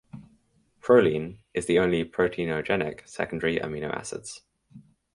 Proline is the only proteinogenic secondary amino acids.